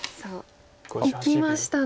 いきましたね。